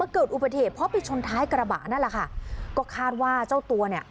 เกิดอุบัติเหตุเพราะไปชนท้ายกระบะนั่นแหละค่ะก็คาดว่าเจ้าตัวเนี่ย